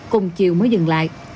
cùng chiều mới dừng lại